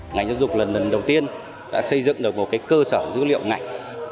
ngành giáo dục lần đầu tiên đã xây dựng được một cơ sở dữ liệu ngành